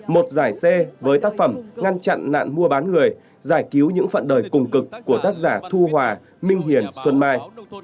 một giải c với tác phẩm ngăn chặn nạn mua bán người giải cứu những phận đời cùng cực của tác giả thu hòa minh hiền xuân mai